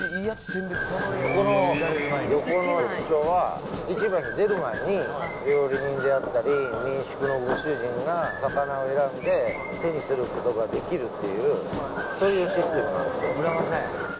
この漁港の特徴は、市場に出る前に料理人であったり、民宿のご主人が魚を選んで、手にすることができるっていう、そういうシステムなんですよ。